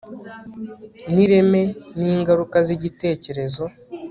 ni ireme n'ingaruka z'igitekerezo